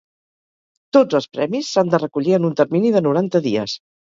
Tots els premis s’han de recollir en un termini de noranta dies.